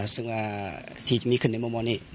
ซึ่งว่าที่จะมีขึ้นในมุมมองนี้